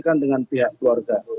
dikomunikasikan dengan pihak keluarga